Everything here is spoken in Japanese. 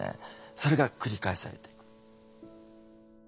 それが繰り返されていく。